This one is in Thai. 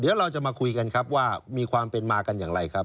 เดี๋ยวเราจะมาคุยกันครับว่ามีความเป็นมากันอย่างไรครับ